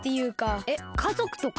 えっかぞくとか？